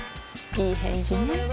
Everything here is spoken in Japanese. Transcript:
いい返事ね